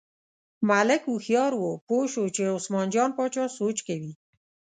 ملک هوښیار و، پوه شو چې عثمان جان باچا سوچ کوي.